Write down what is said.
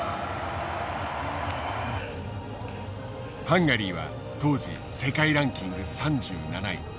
ハンガリーは当時世界ランキング３７位。